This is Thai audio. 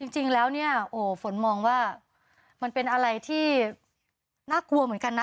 จริงแล้วเนี่ยโอ้ฝนมองว่ามันเป็นอะไรที่น่ากลัวเหมือนกันนะ